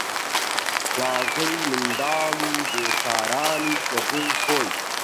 گاڵتەی منداڵ و بیکارانیش لە جێی خۆی